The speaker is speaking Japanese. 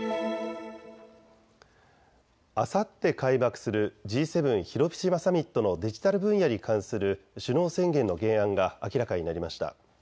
あさって開幕するＧ７広島サミットのデジタル分野に関する首脳宣言の原案が明らかになりました。